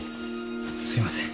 すいません。